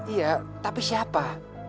iya tapi siapa